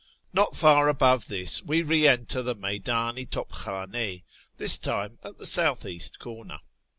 Not far above this we re enter the Meyddn i To2'>lchdn6, this time at the south east corner.